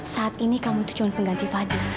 saat ini kamu itu cuman pengganti fadil